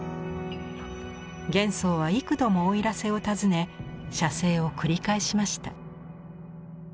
元宋は幾度も奥入瀬を訪ね写生を繰り返しました。